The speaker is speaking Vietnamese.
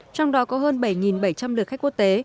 trong đó có hơn bảy bảy trăm linh lượt khách quốc tế